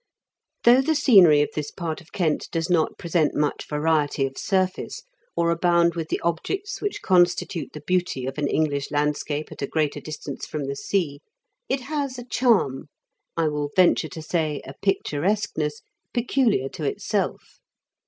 Though the scenery of this part of Kent does not present much variety of surface, or SCENERY OF THE MAB8HE8. 77 abound with the objects which constitute the beauty of an English landscape at a greater distance from the sea, it has a charm — I will venture to say, a picturesqueness — ^peculiar to itself.